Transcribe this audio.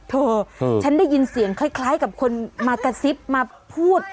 เธอฉันได้ยินเสียงคล้ายกับคนมากระซิบมาพูด